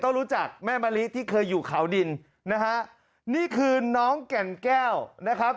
รู้จักแม่มะลิที่เคยอยู่เขาดินนะฮะนี่คือน้องแก่นแก้วนะครับ